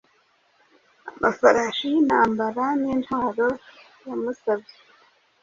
amafarasi yintambara nintwaro yamusabye